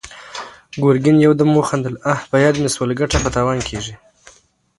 ګرګين يودم وخندل: اه! په ياد مې شول، ګټه په تاوان کېږي!